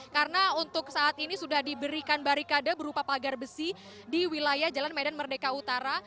karena untuk saat ini sudah diberikan barikade berupa pagar besi di wilayah jalan medan merdeka utara